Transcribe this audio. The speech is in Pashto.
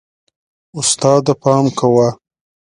استاده، پام کوه.